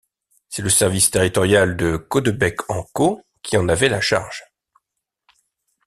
C'est le Service territorial de Caudebec-en-Caux qui en avait la charge.